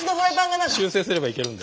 修正すればいけるんで。